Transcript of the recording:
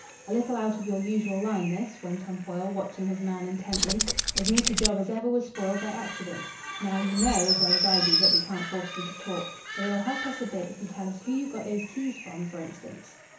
"A little out of your usual line this," went on Foyle, watching his man intently. "As neat a job as ever was spoiled by accident. Now you know, as well as I do, that we can't force you to talk. But it'll help us a bit if you tell us who you got those keys from, for instance."